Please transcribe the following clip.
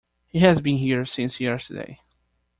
He has been here since yesterday.